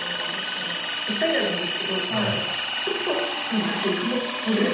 絶対じゃないんですけどちょっと難しいかもしれない。